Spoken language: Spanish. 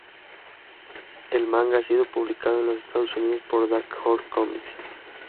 El manga ha sido publicado en los Estados Unidos por Dark Horse Comics.